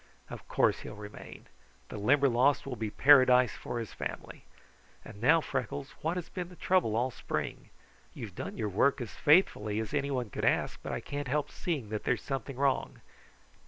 Of course he'll remain! The Limberlost will be paradise for his family. And now, Freckles, what has been the trouble all spring? You have done your work as faithfully as anyone could ask, but I can't help seeing that there is something wrong.